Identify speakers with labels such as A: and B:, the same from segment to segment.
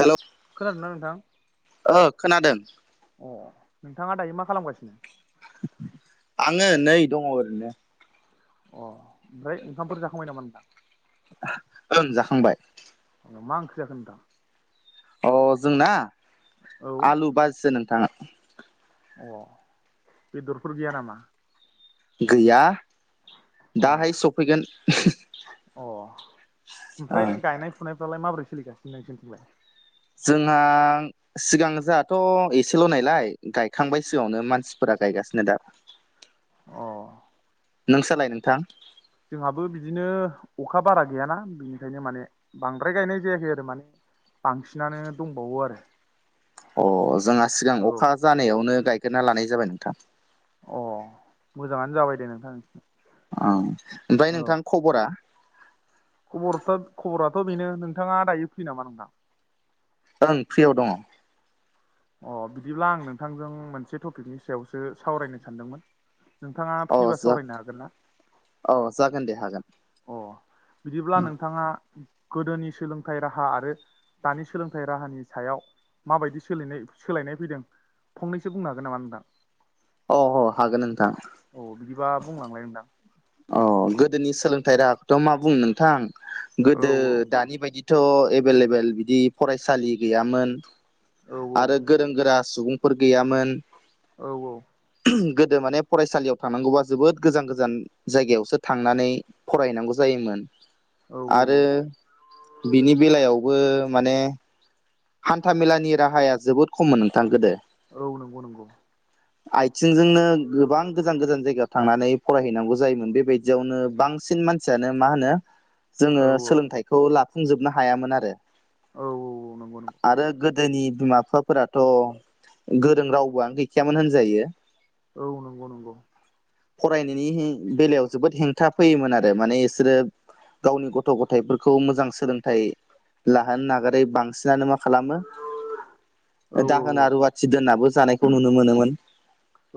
A: Hello
B: खोनादोंना नोंथां
A: ओ खोनादों
B: अ नोंथाङा दायो मा खालामगासिनो?
A: आङो नै दङ ओरैनो।
B: अ ओमफ्राय ओंखामफोर जाखांबाय नामा नोंथां?
A: ओं जाखांबाय।
B: मा ओंख जाखो नोंथां?
A: अ जोंना
B: औ
A: आलु बाजिसो नोंथाङा।
B: अ बेदरफोर गैया नामा?
A: गैया
B: अ
A: दाहाय सफैगोन।
B: अ
A: ओ
B: ओमफ्राय गायनाय फुनायफ्रालाय माबोरै सोलिगासिनो नोंसोरनिथिंलाय?
A: जोंहा सिगां जाहाथ' एस एसेल' ननायलाय गायखांबाय सिगाङावनो मानसिफोरा गायगासिनो दा।
B: अ
A: नोंसालाय नोंथां?
B: जोंहाबो बिदिनो अखा बारा गैयाना बिनिखायनो माने बांद्राय गायनाय जायाखै आरो माने। बांसिनानो दंबावो आरो।
A: अ जोंहा सिगां अखा
B: औ
A: जानायावनो गायगेरा लानाय जाबाय नोंथां।
B: अ मोजाङानो जाबाय दे नोंथां।
A: औ ओमफ्राय नोंथां खबरा
B: खबराथ' खबराथ' बेनो नोंथाङा दायो फैयो नामा नोंथां?
A: ओं फ्रियाव दङ।
B: अ बिदिब्ला आं नोंथांजों मोनसे टपिकनि सायावसो सावरायनो सानदोंमोन। नोंथाङा
A: अ
B: फ्रिबा
A: जा
B: सावरायनो हागोन ना?
A: अ जागोन दे हागोन
B: अ बिदिब्ला नोंथाङा? गोदोनि सोलोंथाइ राहा आरो दानि सोलोंथाइ राहानि सायाव माबायदि सोलायनाय सोलायनाय फैदों फंनैसो बुंनो हागोन नामा होनदा?
A: अ अ हागोन नोंथां।
B: अ बिदिबा बुंलांलाय नोंथां।
A: अ गोदोनि
B: औ
A: सोलोंथाइ राहाखौथ' मा बुंनो नोंथां
B: औ
A: गोदो दानि बायदि थ' एभेलेबेल बिदि फरायसालि गैयामोन।।
B: औ
A: आरो गोरों गोरा सुबुंफोर गैयामोन।
B: औ औ
A: गोदो माने फरायसालियाव थांनांगौबा जोबोद गोजान गोजान जायगायावसो थांनानै फरायनांगौ जायोमोन।
B: औ औ
A: आरो
B: औ
A: बिनि बेलायावबो माने हान्थाामेलानि राहाया जोबोद खममोन नोंथां गोदो।
B: औ नंगौ नंगौ
A: आथिंजोंनो गोबां गोजान गोजान जायगायाव थांनानै फरायहैनांगौ जायोमोन बेबायदियावनो बांसिन मान सियानो मा होनो
B: औ
A: जोङो
B: औ औ
A: सोलोंथाइखौ लाफुंजोबनो हायामोन आरो।
B: औ औ नंगौ नंगौ
A: आरो गोदोनि बिमा बिफाफोराथ' गोरों रावबोआनो गैखायामोन होनजायो।
B: औ नंगौ नंगौ।
A: फरायनायनि बेलायाव जोबोद हेंथा फैयोमोन आरो माने बिसोरो गावनि गथ' गथायफोरखौ मोजां सोलोंथाइ लाहोनो नागारै बांसिनानो मा खालामो
B: औ
A: दाहोना
B: औ
A: रुवाथि दोननाबो जानायखौ नुनो मोनोमोन।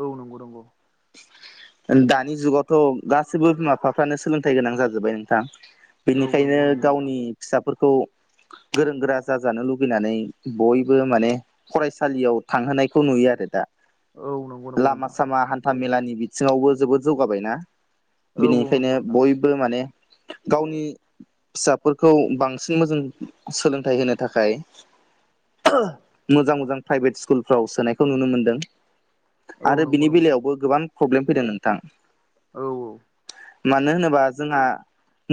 B: औ नंगौ नंगौ।
A: दानि जुगावथ' गासिबो बिमा बिफाफ्रानो सोलोंथाइ गोनां जाजोब्बाय नोंथां।
B: औ
A: बेनिखायनो
B: नंगौ नंगौ नोंथां
A: गावनि फिसाफोरखौ गोरों गोरा जाजानो लुबैनानै बयबो माने फरायसालियाव थांहोनायखौ नुयो आरो दा।
B: औ नंगौ नंगौ
A: लामा
B: नोंथां
A: सामा हान्थाामेलानि बिथिङावबो जोबोद जौगाबायना।
B: औ औ
A: बिनिखायनो
B: नंगौ नोंथां
A: बयबो माने गावनि फिसाफोरखौ बांसिन मोजां सोलोंथाइ होनो थाखाय मोजां मोजां प्राइभेट स्कुलफ्राव सोनायखौ नुनो मोनदों।
B: औ
A: आरो
B: नंगौ
A: बिनि
B: नंगौ नोंथां
A: बेलायावबो गोबां प्रब्लेम फैदों नोंथां।
B: औ
A: मानो होनोबा जोंहा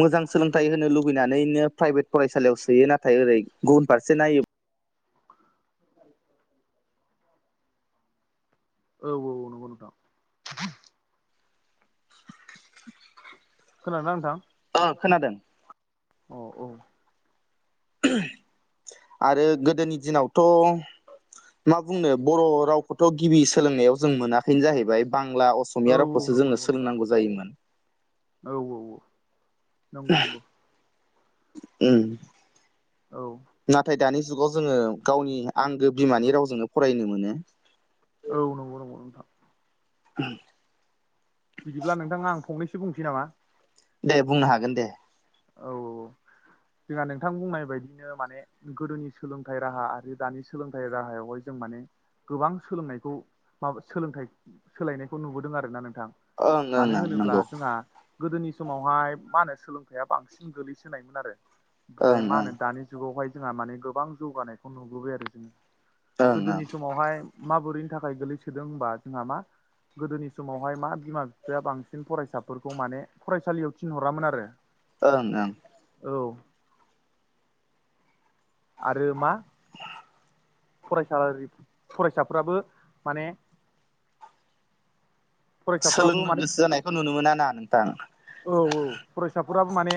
A: मोजां सोलोंथाइ होनो लुगैना नैनो प्राइभेट फरायसालियाव सोयो नाथाय ओरै गुबुन फारसे नायो
B: औ औ नंगौ नोंथां। खोनादोंना नोंथां?
A: अ खोनादों।
B: औ औ
A: आरो गोदोनि दिनावथ' मा बुंनो बर' रावखौथ' गिबि सोलोंनायाव जों मोनाखैनो जाहैबाय बांला
B: औ
A: असमिया
B: औ
A: रावखौसो
B: नंगौ
A: जोङो
B: नंगौ नोंथां
A: सोलोंनांगौ जायोमोन।
B: औ औ नंगौ नंगौ।
A: उम
B: औ
A: नाथाय दानि जुगाव जोङो गावनि आंगो बिमानि रावजोंनो फरायनो मोनो।
B: औ नंगौ नंगौ नोंथां
A: [inaudible]
B: बिदिब्ला नोंथाङा आं फंनैसो बुंनोसै नामा?
A: दे बुंनो हागोन दे।
B: औ औ जोंहा नोंथां बुंनाय बायदिनो माने गोदोनि सोलोंथाइ राहा आरो दानि सोलोंथाइ राहायावहाय जों माने गोबां सोलोंनायखौ मा सोलोंथाय सोलायनायखौ नुबोदों आरोना नोंथां।
A: ओं ओं
B: मानो
A: ओं
B: होनोब्ला
A: नंगौ
B: जोंहा गोदोनि समावहाय मा होनो सोलोंथाइआ बांसिन गोग्लैसोनायमोन आरो ओमफ्राय
A: ओं
B: मा
A: ओं
B: होनो दानि जुगावहाय जोंहा माने गोबां जौगानायखौ नुबोबाय आरो जोङो
A: ओं ओं
B: गोदोनि समावहाय माबोरैनि थाखाय गोगलैसोदों होनबा जोंहा मा गोदोनि समावहाय मा बिमा बिफाया बांसिन फरायसाफोरखौ माने फरायसालियाव थिनहरामोन आरो।
A: ओं ओं
B: औ आरो मा फरायसा फरायसाफ्राबो माने फरायसाफ्राबो
A: सोलोंनो
B: माने
A: गोसो जानायखौ नुनो मोना ना नोंथां
B: औ औ फरायसाफोराबो माने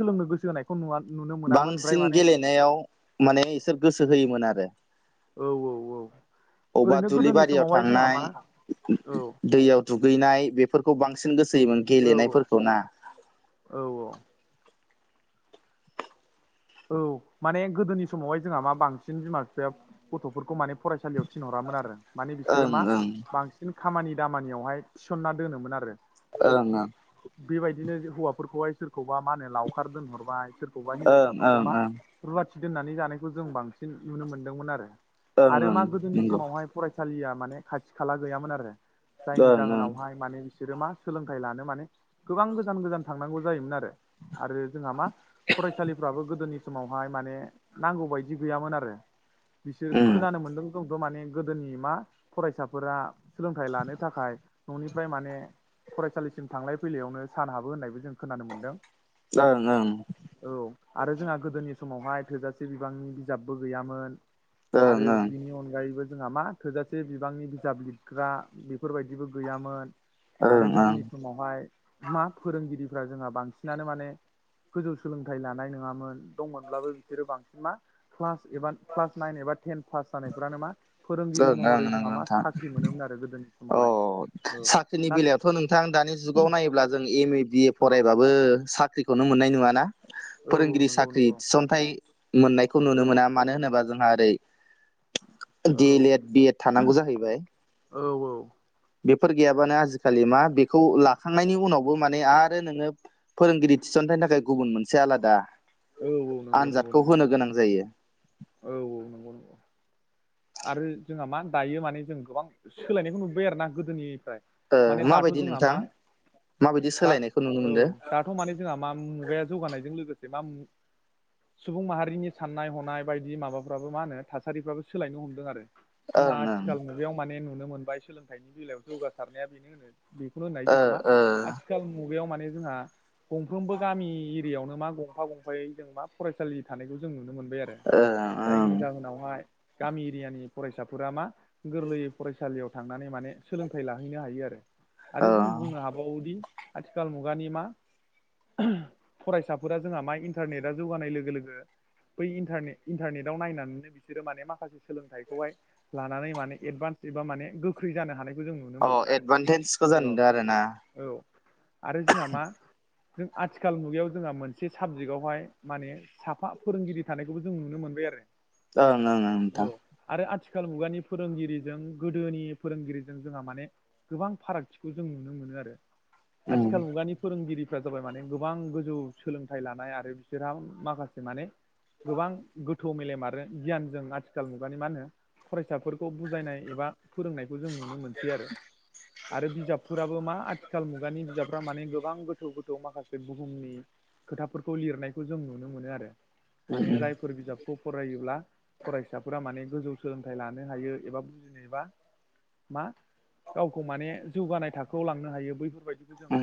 B: सोलोंनो गोसो होनायखौ नुवा नुनो मोनामोन ओमफ्राय माने
A: नायाव माने बिसोर गोसो होयोमोन आरो।
B: औ औ औ
A: अबेबा
B: ओरैनो
A: दुब्लि
B: गोदोनि
A: बारियाव
B: समावहाय जोंहा
A: थांनाय
B: मा औ
A: दैयाव दुगैनाय बेफोरखौ बांसिन गोसो होयोमोन
B: औ औ
A: गेलेनायफोरखौ ना
B: औ औ औ माने गोदोनि समावहाय जोंहा मा बांसिन बिमा बिफाया गथ'फोरखौ माने फरायसालियाव थिनहरामोन आरो। माने बिसोरो
A: ओं
B: मा
A: ओं
B: बांसिन खामानि दामानियावहाय थिसनना दोनोमोन आरो।
A: ओं ओं
B: बेबायदिनो हौवाफोरखौहाय सोरखौबा मा होनो लावखार दोनहरबाय सोरखौबा
A: ओं
B: हिनजावसाफोरखौ
A: ओं
B: मा
A: ओं
B: रुवाथि दोननानै जानायखौ जों बांसिन नुनो मोनदोंमोन आरो।
A: ओं
B: आरो
A: ओं
B: मा गोदोनि
A: नंगौ
B: समावहाय फरायसालिया माने खाथि खाला गैयामोन आरो जायनि
A: ओं ओं
B: जाहोनावहाय माने बिसोरो मा सोलोंथाइ लानो माने गोबां गोजान गोजान थांनांगौ जायोमोन आरो आरो जोंहा मा फरायसालिफ्राबो गोदोनि समावहाय माने नांगौ बायदि गैयामोन आरो। बिसोर
A: ओं
B: खोनानो मोनदों। जोंथ' माने गोदोनि मा फरायसाफोरा सोलोंथाइ लानो थाखाय न'निफ्राय माने फरायसालिसिम थांलाय फैलायावनो सान हाबो होननायबो जों खोनानो मोनदों।
A: ओं ओं
B: औ आरो जोंहा गोदोनि समावहाय थोजासे बिबांनि बिजाबबो गैयामोन।
A: ओं
B: आरो बिनि अनगायैबो जोंहा मा थोजासे बिबांनि बिजाब लिरग्रा बेफोरबायदिबो गैयामोन।
A: ओं
B: आरो गोदोनि समावहाय मा फोरोंगिरिफ्रा जोंहा बांसिनानो माने गोजौ सोलोंथाइ लानाय नोङामोन। दंमोनब्लाबो बिसोरो बांसिन मा क्लास एबा क्लास नाइन एबा टेन पास जानायफ्रानो मा
A: ओं
B: फोरोंगिरि महरै
A: ओं नंगौ
B: जोंहा मा
A: नोंथां
B: साख्रि मोनोमोन आरो गोदोनि समावहाय औ दा
A: थ' नोंथां दानि जुगाव नायोब्ला जों एम ए बि ए
B: औ
A: फरायबाबो साख्रिखौनो मोननाय नङाना?
B: औ
A: फोरोंगिरि
B: नंगौ
A: साख्रि
B: नंगौ
A: थिसनथाइ मोननायखौ
B: औ
A: नुनो
B: औ
A: मोना मानो होनोबा जोंहा ओरै D El Ed B Ed थानांगौ जाहैबाय।
B: औ औ
A: बेफोर गैयाबानो आजिखालि मा बेखौ लाखांनायनि उनावबो माने आरो नोङो फोरोंगिरि थिसनथाइनि थाखाय गुबुन मोनसे आलादा
B: औ औ नंगौ नंगौ
A: आनजादखौ
B: नंगौ
A: होनो गोनां जायो।
B: औ औ [unintelligible] आरो जोंहा मा दायो माने जों गोबां सोलायनायखौ नुबोबाय आरोना गोदोनिफ्राय।
A: ओ
B: माने दाथ'
A: माबायदि
B: जोंहा
A: नोंथां
B: मा
A: माबायदि
B: दा
A: सोलायनायखौ नुनो
B: औ
A: मोनदों
B: दा दाथ' माने जोंहा मा मुगाया जौगानायजों लोगोसे मा सुबुं माहारिनि साननाय हनाय बायदि माबाफ्राबो मा होनो थासारिफ्राबो सोलायनो हमदों आरो जोंहा
A: ओं ओं
B: आथिखाल बेयाव माने नुनो मोनबाय सोलोंथाइनि बेलायाव जौगासारनाया बेनो होनो बेखौनो होननाय
A: ओ
B: जोंहा मा आ आथिखाल मुगायाव माने जोंहा गंफ्रोमबो गामि एरियायावनो मा गंफा गंफायै जों मा फरायसालि थानायखौ जों नुनो मोनबाय आरो।
A: ओ
B: जायनि जाहोनावहाय गामि एरियानि फरायसाफोरा मा गोरलै फरायसालियाव थांनानै माने सोलोंथाइ लाहैनो हायो आरो।
A: ओं
B: आरो
A: अ
B: जों बुंनो हाबावोदि आथिखाल मुगानि मा फरायसाफोरा जोंहा मा इन्टारनेटा जौगानाय लोगो लोगो बै इन्टारने-इन्टारनेटाव नायनानैनो बिसोरो माने मा माखासे सोलोंथाइखौहाय लानानै माने एडभान्स एबा माने गोख्रै जानो हानाय जों नुनो
A: अ
B: मोनदों आरो
A: एडभान्टेजखौ जानो
B: औ
A: नुदों आरो ना
B: औ आरो जोंहा मा जों आथिखाल मुगायाव जोंहा मोनसे साबजेक्टआवहाय माने साफा फोरोंगिरि थानायखौबो जों नुनो मोनबाय आरो
A: औं
B: औ आरो आथिखाल मुगानि फोरोंगिरिजों गोदोनि फोरोंगिरिजों जोंहा माने गोबां फारागथिखौ जों नुनो मोनो आरो
A: उम
B: आथिखाल मुगानि फोरोंगिरि जाबाय माने गोबां गोजौ सोलोंथाइ लानाय आरो बिसोरहा माखासे माने गोबां गोथौ मेलेम आरो गियानजों आथिखाल मुगानि मा होनो फरायसाफोरखौ बुजायनाय एबा फोरोंनायखौ जों नुनो मोनसै आरो आरो बिजाबफोराबो मा आथिखाल आथिखाल मुगानि बिजाबफ्रा माने गोबां गोथौ गोथौ माखासे बुहुमनि खोथाफोरखौ लिरनायखौ जों नुनो मोनो आरो माने
A: उम
B: जायफोर बिजाबखौ फरायोब्ला फिसाफोरा माने गोजौ सोलोंथाइ लानो हायो एबा बुजिनोबा मा गावखौ माने जौगानाय थाखोआव लांनो हायो बैफोरबायदिखौ जों
A: उम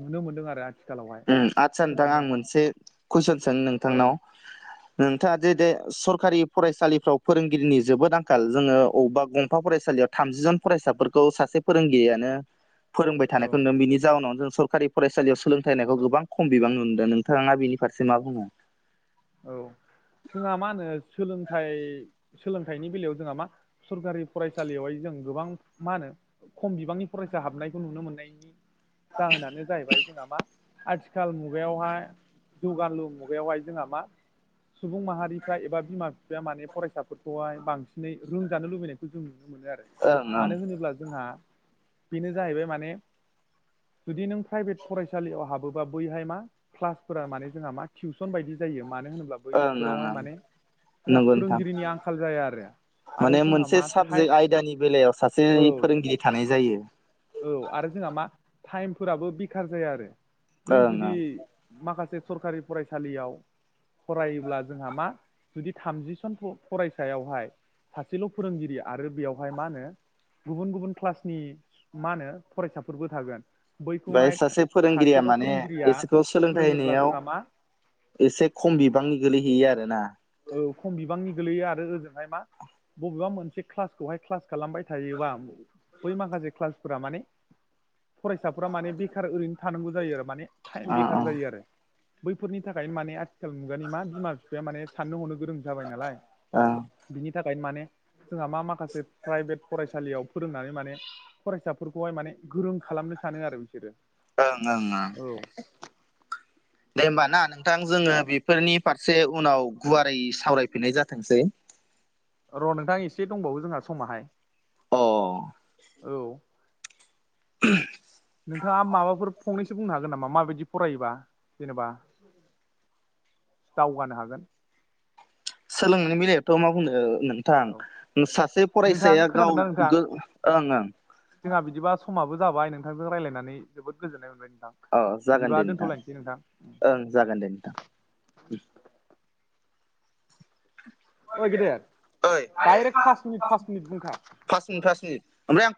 B: नुनो मोनदों आरो आ
A: आदसा नोंथां आं मोनसे कुइसन सानो नोंथांनाव
B: [inaudible]
A: नोंथाङा जे दे सरखारि फरायसालिफ्राव फोरोंगिरिनि जोबोद आंखाल जोङो बबेबा गंफा फरायसालियाव थामजि जन फरायसाफोरखौ सासे फोरोंगिरियानो फोरोंबाय थानायखौ नु
B: औ
A: बिनि जाउनाव जों सरकारि फरायसालियाव सोलों फोथायनायखौ गोबां खम बिबां नुनोदों नोंथाङा बिनिारसे मा बुंङो
B: औ जोंहा मा होनो सोलोंथाइ सोलोंथाइनि बेलायाव जोंहा मा सरकारि फरायसालियावहाय जों गोबां मा होनो खम बिबांनि फरायसा हाबनायखौ नुनो मोननायनि जाहोनानो जाहैबाय जोंहा मा आथिखाल मुगायावहाय जुगानालु मुगायावहाय जोंहा मा सुबुं माहारिफ्रा एबा बिमा बिफाया माने फरायसाफोरखौहाय बांसिनै रोंजानो लुबैनायखौ जों नुनो मोनो आरो।
A: ओं ओं
B: मानो होनोब्ला जोंहा बेनो जाहैबाय माने जुदि नों प्राइभेट फरायसालियाव हाबोबा बैहाय मा क्लासफोरा माने जोंहा मा टिउसन बायदि जायो मानो होनोब्ला
A: ओं ओं
B: बैफोरावहाय
A: ओं
B: माने जोंहा
A: नंगौ नोंथां
B: फोरोंगिरिनि आंखाल जाया आरो आरो
A: माने
B: जोंहा
A: मोनसे
B: मा टाइ
A: साबजेक्ट आयदानि बेलायाव सासे
B: औ
A: फोरोंगिरि थानाय जायो।
B: औ आरो जोंहा मा टाइमफोराबो बेखार जाया आरो। नों
A: ओं
B: जुदि
A: ओं
B: माखासे सरखारि फरायसालियाव फरायोब्ला जोंहा मा जुदि थामजिसनखौ फरायसायावहाय सासेल' फोरोंगिरि आरो बेयावहाय मा होनो गुबुन गुबुन क्लासनि मा होनो फरायसाफोरबो थागोन। बैखौहाय
A: बेयाव सासे फोरोंगिरिया
B: सासेल'
A: माने
B: फोरोंगिरिया
A: बिसोरखौ सोलोंथाइ
B: फोरोङोब्ला
A: होनायाव
B: जोंहा मा
A: एसे खम बिबांनि गोलैहैयो आरो। होना
B: औ खम बिबांनि गोलैयो आरो ओजोंहाय मा? बबेबा मोनसे क्लासखौहाय क्लास खालामबाय थायोबा बै माखासे क्लासफोरा माने फरायसाफोरा माने बेखार ओरैनो थानांगौ जायो आरो माने टाइम
A: अ अ
B: बेखार
A: ओं
B: जायो आरो बैफोरनि थाखाय माने आथिखाल मुगानि मा बिमा बिफा माने साननो हरनो गोरों जाबाय नालाय बिनि थाखायनो माने जोंहा मा माखासे प्राइभेट फरायसालियाव फोरोंनानै माने फरायसाफोरखौहाय माने गोरों खालामनो सानो आरो बिसोरो।
A: ओं ओं ओं
B: औ [inaudible]
A: दे होमबा ना नोंथां जोङो बेफोरनि फारसे उनाव गुवारै सावरायफिननाय जाथोंसै।
B: र' नोंथां एसे दंबावो जोंहा समाहाय।
A: अ
B: औ
A: [inaudible]
B: नोंथाङा माबाफोर फंनैसो एसे बुंनो हागोन नामा? माबायदि फरायोबा जेनेबा दावगानो हागोन।
A: सोलोंनानै बेलायाथ' मा बुंनो ओ होनानै थां
B: औ
A: सासे
B: नोंथां
A: फरायसाया गाव
B: खोनादोंना नोंथां
A: गो ओं ओं।
B: जोंहा बिदिबा समाबो जाबाय नोंथांजों रायज्लायनानै जोबोद गोजोननाय मोनबाय नोंथां।
A: अ जागोन
B: बिदिबा
A: दे नोंथां
B: दोनथ'लायनोसै
A: ओं जागोन दे नोंथां।
B: ओइ गेदेर
A: ओइ
B: डाइरेक्ट फास मिनिट फास मिनिट बुंखा।
A: पास मिनिट पास मिनिट ओमफ्राय आं